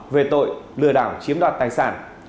về tội lừa đảo chiếm đoạt tài sản